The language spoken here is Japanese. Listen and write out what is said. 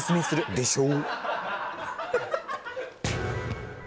でしょ！